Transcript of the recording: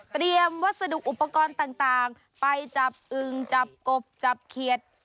เตรียมวัสดุอุปกรณ์ต่างต่างไปจับอึ๋งจับกบจับเขียด